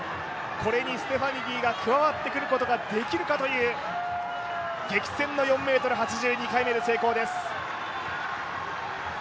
これにステファニディが加わってくることができるかという激戦の４ｍ８０、２回目で成功です。